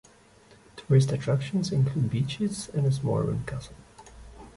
Tourist attractions include beaches and a small ruined castle.